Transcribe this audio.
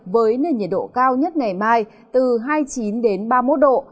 với nền nhiệt độ cao nhất ngày mai từ hai mươi chín ba mươi một độ